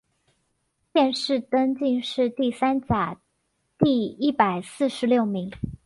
殿试登进士第三甲第一百四十六名。